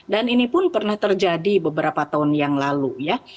dan ini pun pernah terjadi beberapa tahun yang lalu ya